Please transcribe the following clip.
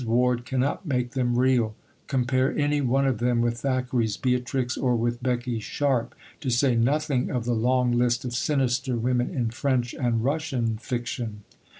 Ward cannot make them real; compare any one of them with Thackeray's Beatrix or with Becky Sharp to say nothing of the long list of sinister women in French and Russian fiction.